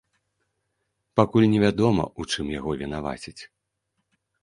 Пакуль невядома, у чым яго вінавацяць.